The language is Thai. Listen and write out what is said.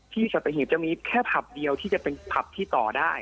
สัตหีบจะมีแค่ผับเดียวที่จะเป็นผับที่ต่อได้